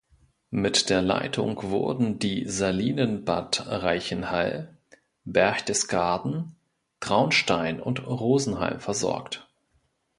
Mit der Leitung wurden die Salinen Bad Reichenhall, Berchtesgaden, Traunstein und Rosenheim versorgt.